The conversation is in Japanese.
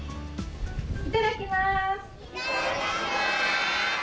いただきます。